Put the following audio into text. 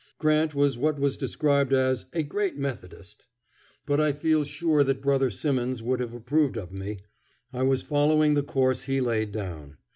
Grant was what was described as "a great Methodist." But I feel sure that Brother Simmons would have approved of me. I was following the course he laid down.